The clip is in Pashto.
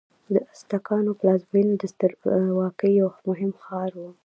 د ازتکانو پلازمینه د سترواکۍ یو مهم ښار و.